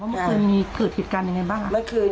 เมื่อคืนเกิดเหตุการณ์ยังไงบ้าง